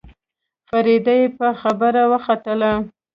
فريده يې په خبره وختله.